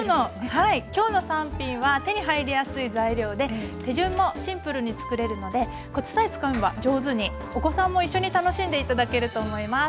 はい今日の３品は手に入りやすい材料で手順もシンプルに作れるのでコツさえつかめば上手にお子さんも一緒に楽しんで頂けると思います。